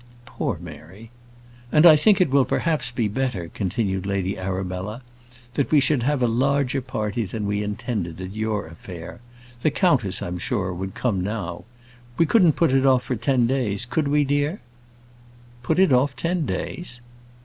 Poor Mary! "And I think it will perhaps be better," continued Lady Arabella, "that we should have a larger party than we intended at your affair. The countess, I'm sure, would come now. We couldn't put it off for ten days; could we, dear?" "Put it off ten days!"